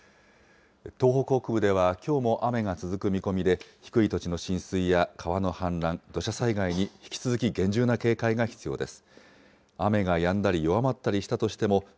東北北部ではきょうも雨が続く見込みで、低い土地の浸水や川の氾濫、土砂災害に引き続き厳重な警戒が必要です。